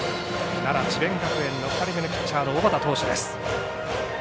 奈良、智弁学園の２人目のピッチャー小畠投手です。